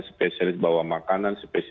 spesialis bawa makanan